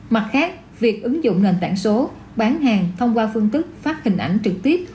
mặt khác việc ứng dụng nền tảng số bán hàng thông qua phương thức phát hình ảnh trực tiếp